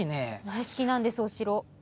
大好きなんです、お城。